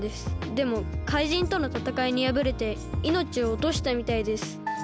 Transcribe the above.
でもかいじんとのたたかいにやぶれていのちをおとしたみたいです。